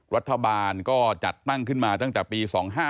รัฐบาลก็จัดตั้งขึ้นมาตั้งแต่ปี๒๕๕